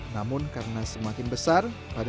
namun karena semakin besar pada dua ribu dua belas